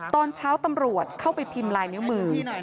ตอนเช้าตำรวจเข้าไปพิมพ์ลายนิ้วมือ